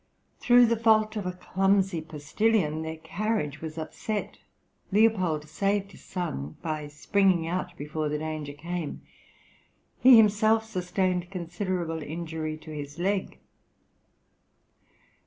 Through the fault of a clumsy postilion their carriage was upset; Leopold saved his son by springing out before the danger came; he himself sustained considerable injury to his leg.